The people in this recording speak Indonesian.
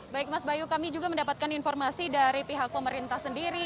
baik mas bayu kami juga mendapatkan informasi dari pihak pemerintah sendiri